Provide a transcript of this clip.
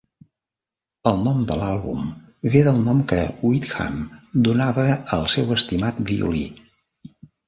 El nom de l'àlbum ve del nom que Wickham donava al seu "estimat" violí.